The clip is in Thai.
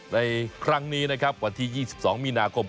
ในครั้งนี้นะครับวันที่๒๒มีนาคม